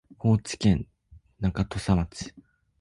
高知県中土佐町